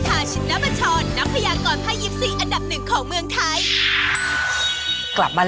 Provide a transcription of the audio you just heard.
อัจจานคาธา